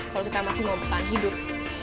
kalau kita masih mau bertahan hidup